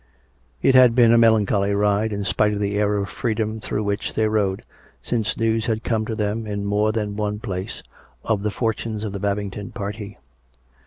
It had been a melancholy ride, in spite of the air of freedom through which they rode, since news had come to them, in more than one place, of the fortunes of the Bab ington party.